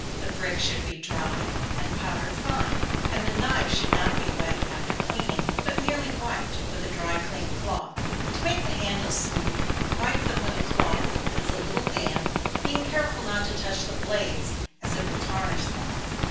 The brick should be dry, and powdered fine, and the knives should not be wet after cleaning, but merely wiped, with a dry clean cloth. To make the handles smooth, wipe them with a cloth that is a little damp, being careful not to touch the blades, as it will tarnish them.